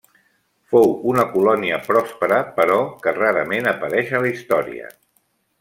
Fou una colònia pròspera però que rarament apareix a la història.